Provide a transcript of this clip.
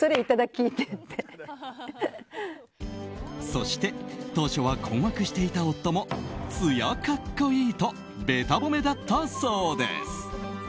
そして当初は困惑していた夫もつや格好いいとべた褒めだったそうです。